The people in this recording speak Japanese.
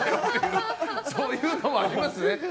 そういうのもありますね。